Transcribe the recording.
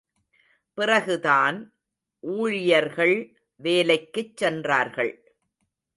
பிறகுதான் ஊழியர்கள் வேலைக்குச் சென்றார்கள்.